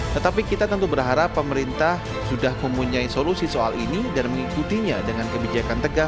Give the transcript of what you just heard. tetapi kita tentu berharap pemerintah sudah mempunyai solusi soal ini dan mengikutinya dengan kebijakan tegas